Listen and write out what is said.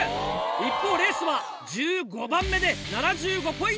一方レースは１５番目で７５ポイント。